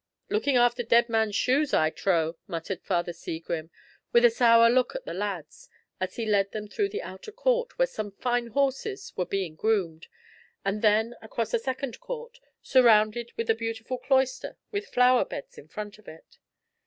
"Looking after dead men's shoes, I trow," muttered father Segrim, with a sour look at the lads, as he led them through the outer court, where some fine horses were being groomed, and then across a second court surrounded with a beautiful cloister, with flower beds in front of it.